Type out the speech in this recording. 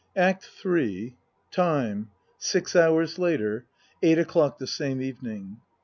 ACT III Time Six hours later. Eight o'clock the same evening.